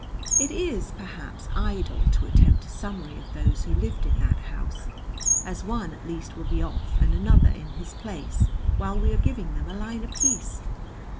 It is, perhaps, idle to attempt a summary of those who lived in that house, as one at least will be off, and another in his place, while we are giving them a line apiece.